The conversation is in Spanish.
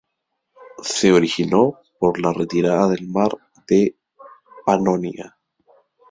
Se originó por la retirada del mar de Panonia.